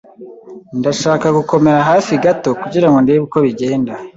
Ndashaka gukomera hafi gato kugirango ndebe uko bigenda.